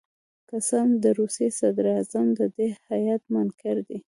که څه هم د روسیې صدراعظم د دې هیات منکر دي.